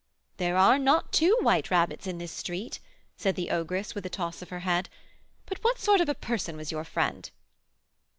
"There are not two 'White Rabbits' in this street," said the ogress, with a toss of her head. "But what sort of a person was your friend?"